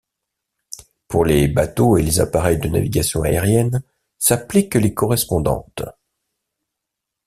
Pour les bateaux et les appareils de navigation aérienne s'appliquent les correspondantes.